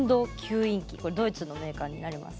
これドイツのメーカーになります。